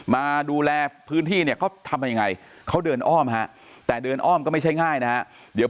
มาดูแลพื้นที่เนี่ยเขาทำยังไงเขาเดินอ้อมฮะแต่เดินอ้อมก็ไม่ใช่ง่ายนะฮะเดี๋ยว